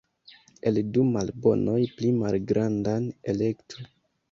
El du malbonoj pli malgrandan elektu.